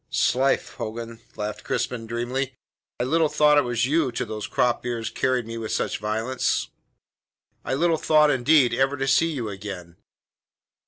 "Slife' Hogan," laughed Crispin dreamily, "I little thought it was to you those crop ears carried me with such violence. I little thought, indeed, ever to see you again.